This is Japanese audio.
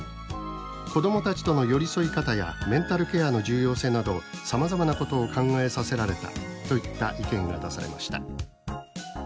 「子供たちとの寄り添い方やメンタルケアの重要性などさまざまなことを考えさせられた」といった意見が出されました。